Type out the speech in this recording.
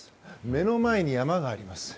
目の前に山があります。